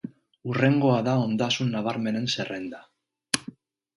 Hurrengoa da ondasun nabarmenen zerrenda.